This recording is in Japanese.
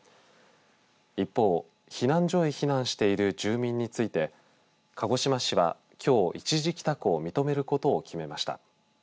一方、避難所へ避難している住民について鹿児島市はきょう一時帰宅を認めることを決めました。